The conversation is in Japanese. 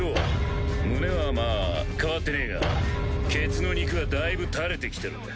胸はまあ変わってねぇがケツの肉はだいぶ垂れてきてる。